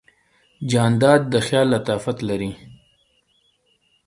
جانداد د خیال لطافت لري.